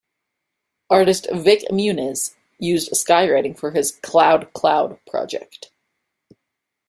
Artist Vik Muniz used skywriting for his "cloud cloud" project.